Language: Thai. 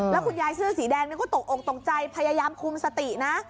แล้วคุณยายเสื้อสีแดงนี่ก็ตกอกตกใจพยายามคุมสตินะ